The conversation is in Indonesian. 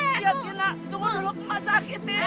iya tina tunggu dulu kemas sakitnya